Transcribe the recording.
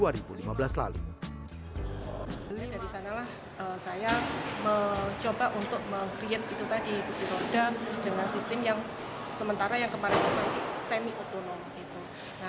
saya mencoba untuk mengkriensi kursi roda dengan sistem yang sementara yang kemarin dikasih semi otonom